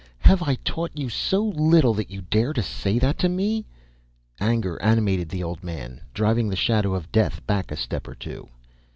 Have I taught you so little that you dare say that to me?" Anger animated the old man, driving the shadow of death back a step or two.